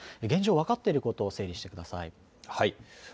現状、分かっていることを整理してください。